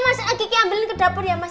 mas kiki ambilin ke dapur ya mas